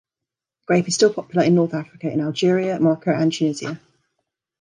The grape is still popular in North Africa in Algeria, Morocco and Tunisia.